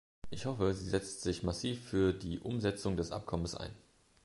Ich hoffe, sie setzt sich massiv für die Umsetzung des Abkommens ein.